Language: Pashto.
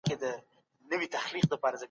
که موږ هڅه وکړو نو سياست به سم کړو.